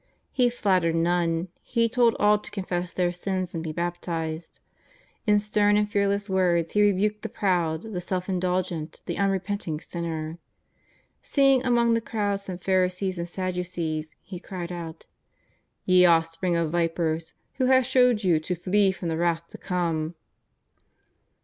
He flattered none; he told all to confess their sins and be baptized. In stern and fearless words he rebuked the proud, the self indul gent, the unrepenting sinner. Seeing among the crowd some Pharisees and Sadducees, he cried out: " Ye offspring of vipers, who hath shewed you to flee from the wrath to come